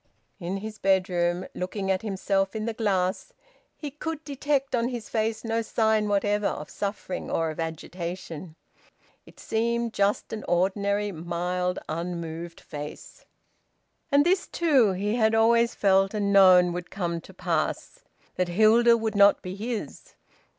In his bedroom, looking at himself in the glass, he could detect on his face no sign whatever of suffering or of agitation. It seemed just an ordinary mild, unmoved face. And this, too, he had always felt and known would come to pass: that Hilda would not be his.